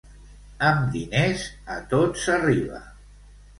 Amb diners, a tot s'arriba.